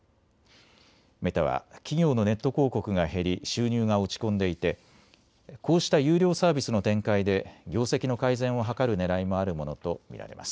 メタは企業のネット広告が減り収入が落ち込んでいてこうした有料サービスの展開で業績の改善を図るねらいもあるものと見られます。